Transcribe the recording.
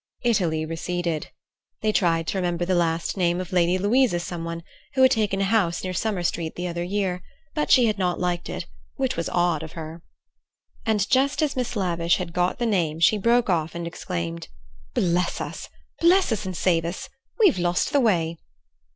Italy receded. They tried to remember the last name of Lady Louisa someone, who had taken a house near Summer Street the other year, but she had not liked it, which was odd of her. And just as Miss Lavish had got the name, she broke off and exclaimed: "Bless us! Bless us and save us! We've lost the way."